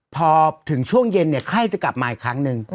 พอถึงช่วงเย็นเนี่ยไข้จะกลับมาอีกครั้งหนึ่ง